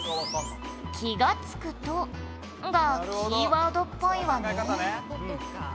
「“気が付くと”がキーワードっぽいわね」